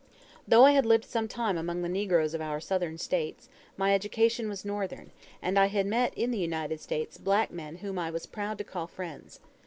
Though I had lived some time among the negroes of our Southern States, my education was Northern, and I had met in the United States black men whom I was proud to call friends.